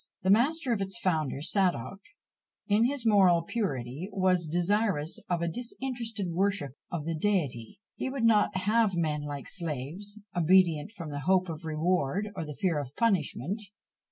The master of its founder Sadoc, in his moral purity, was desirous of a disinterested worship of the Deity; he would not have men like slaves, obedient from the hope of reward or the fear of punishment.